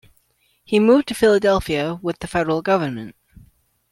He moved to Philadelphia with the Federal Government.